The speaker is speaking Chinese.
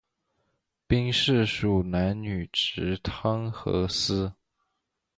兵事属南女直汤河司。